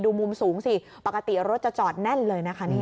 มุมสูงสิปกติรถจะจอดแน่นเลยนะคะ